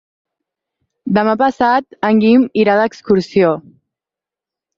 Demà passat en Guim irà d'excursió.